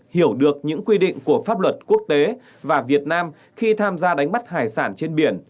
hiểu được những quy định của pháp luật quốc tế và việt nam khi tham gia đánh bắt hải sản trên biển